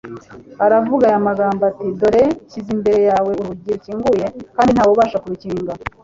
aravuga aya magambo ati : Dore nshyize imbere yawe urugi rukinguye kandi ntawe ubasha kurukinga'.»